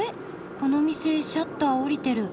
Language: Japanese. この店シャッター下りてる。